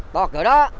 to cửa đó